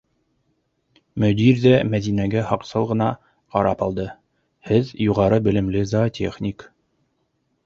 - Мөдир ҙә Мәҙинәгә һаҡсыл ғына ҡарап алды. - һеҙ юғары белемле зоотехник.